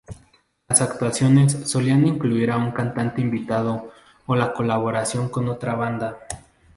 Las actuaciones solían incluir a un cantante invitado, o la colaboración con otra banda.